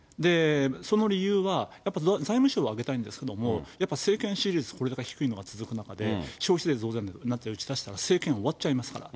その理由は、やっぱ財務省は上げたいんですけれども、やっぱり政権支持率がこれだけ低いのが続く中で、消費税増税なんて打ち出したら、政権終わっちゃいますから。